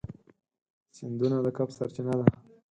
سیندونه د کب سرچینه ده.